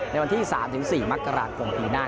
ในวันที่๓๔มกราคมปีหน้า